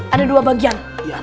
ada dua bagian